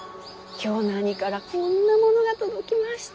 京の兄からこんなものが届きました。